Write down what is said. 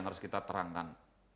yang harus kita terangkan